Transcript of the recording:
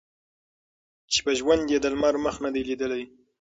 چي په ژوند یې د لمر مخ نه دی لیدلی